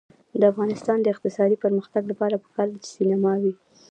د افغانستان د اقتصادي پرمختګ لپاره پکار ده چې سینما وي.